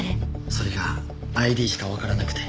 それがＩＤしかわからなくて。